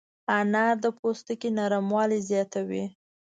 انار د پوستکي نرموالی زیاتوي.